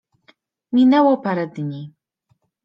Minęło parę dni.